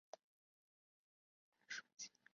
扮演者奥利维亚提到该角色确实是一个双性恋。